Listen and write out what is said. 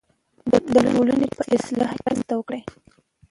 د ټولنې په اصلاح کې مرسته وکړئ.